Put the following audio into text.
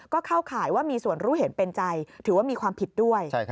ก็เข้าข่ายว่ามีส่วนรู้เห็นเป็นใจถือว่ามีความผิดด้วย